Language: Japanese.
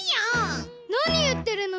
なにいってるの！